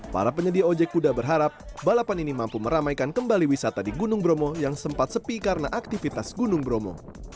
para penyedia ojek kuda berharap balapan ini mampu meramaikan kembali wisata di gunung bromo yang sempat sepi karena aktivitas gunung bromo